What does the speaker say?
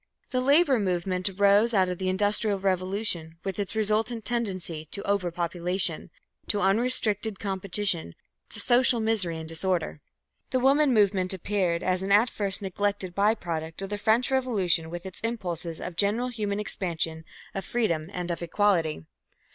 The Labour movement arose out of the Industrial Revolution with its resultant tendency to over population, to unrestricted competition, to social misery and disorder. The Woman movement appeared as an at first neglected by product of the French Revolution with its impulses of general human expansion, of freedom and of equality.